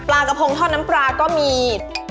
กระพงทอดน้ำปลาก็มี